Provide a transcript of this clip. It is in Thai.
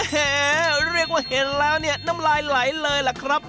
แหมเรียกว่าเห็นแล้วเนี่ยน้ำลายไหลเลยล่ะครับ